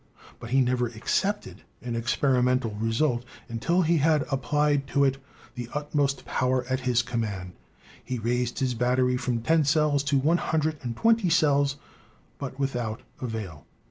But he never accepted an ex perimental result until he had applied to it the utmost power at his command. He raised his battery from ten cells to one hundred and twenty cells, but without avail.